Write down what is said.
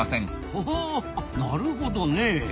ほほうなるほどねえ。